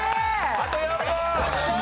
あと４問！